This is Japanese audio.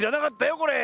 これ。